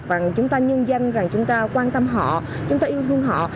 và chúng ta nhân dân rằng chúng ta quan tâm họ chúng ta yêu thương họ